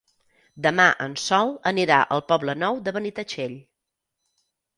Demà en Sol anirà al Poble Nou de Benitatxell.